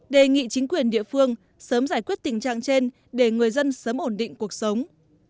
đề nghị chính quyền địa phương sớm giải quyết tình trạng trên để người dân sớm ổn định cuộc sống